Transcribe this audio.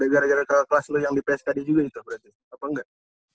gara gara kelas lu yang di pskd juga itu berarti apa enggak